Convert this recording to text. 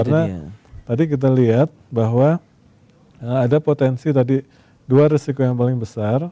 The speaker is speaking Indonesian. karena tadi kita lihat bahwa ada potensi tadi dua resiko yang paling besar